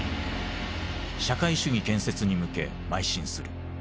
社会主義建設に向けまい進する。